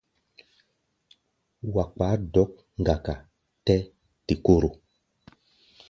Wa kpá dɔ̌k-ŋgaka tɛ té-koro.